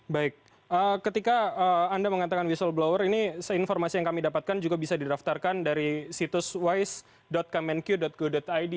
baik ketika anda mengatakan whistleblower ini informasi yang kami dapatkan juga bisa didaftarkan dari situs wise kemenq go id